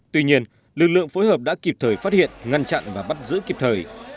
tuy nhiên lực lượng phối hợp đã kịp thời phát hiện ngăn chặn và bắt giữ kịp thời